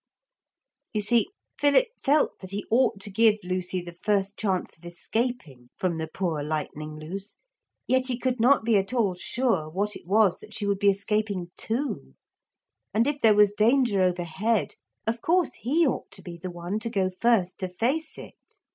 You see Philip felt that he ought to give Lucy the first chance of escaping from the poor Lightning Loose. Yet he could not be at all sure what it was that she would be escaping to. And if there was danger overhead, of course he ought to be the one to go first to face it.